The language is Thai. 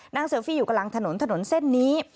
นั่งเซลฟี่อยู่กับหลังถนนเส้นนี้